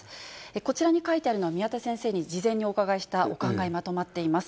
こちらに書いてあるのは、宮田先生に事前にお伺いしたお考え、まとまっています。